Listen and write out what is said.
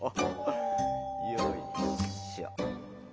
よいしょ。